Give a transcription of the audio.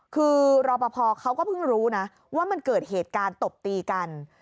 คือรอปภเขาก็เพิ่งรู้นะว่ามันเกิดเหตุการณ์ตบตีกัน